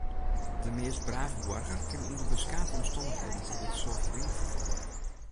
De meast brave boarger kin ûnder beskate omstannichheden ta dit soart dingen ferfalle.